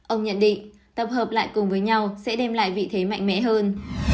ông nhận định tập hợp lại cùng với nhau sẽ đem lại vị thế mạnh mẽ hơn